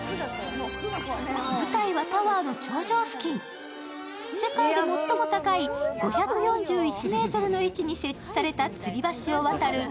舞台はタワーの頂上付近、世界で最も高い５４１ｍの位置に設置されたつり橋を渡る